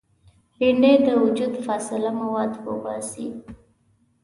بېنډۍ د وجود فاضله مواد وباسي